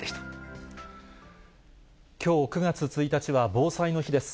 きょう９月１日は防災の日です。